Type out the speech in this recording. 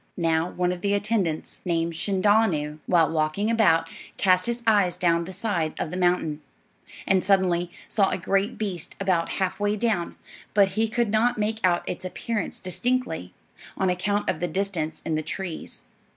Now, one of the attendants, named Shindaa'no, while walking about, cast his eyes down the side of the mountain, and suddenly saw a great beast about half way down; but he could not make out its appearance distinctly, on account of the distance and the trees.